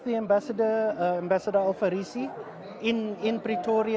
dan dengan mbak alfarisi di pretoria